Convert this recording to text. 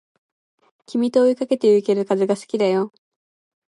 君と追いかけてゆける風が好きだよ